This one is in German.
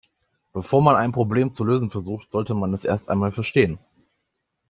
Bevor man ein Problem zu lösen versucht, sollte man es erst einmal verstehen.